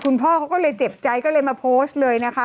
พ่อเขาก็เลยเจ็บใจก็เลยมาโพสต์เลยนะคะ